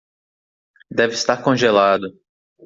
Deve estar congelado.